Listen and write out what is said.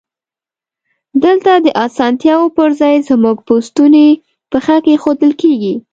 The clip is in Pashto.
دلته د اسانتیاوو پر ځای زمونږ په ستونی پښه کېښودل کیږی.